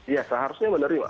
ya seharusnya menerima